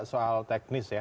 soal teknis ya